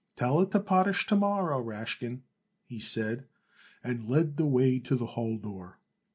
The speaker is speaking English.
"Tell it to Potash to morrow, Rashkin," he said, and led the way to the hall door.